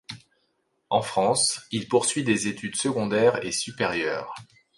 En France, il poursuit des études secondaires et supérieures.